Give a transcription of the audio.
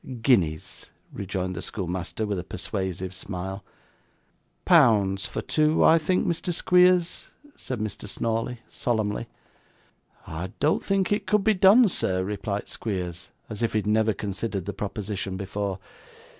'Guineas,' rejoined the schoolmaster, with a persuasive smile. 'Pounds for two, I think, Mr. Squeers,' said Mr. Snawley, solemnly. 'I don't think it could be done, sir,' replied Squeers, as if he had never considered the proposition before.